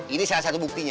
ini salah satu buktinya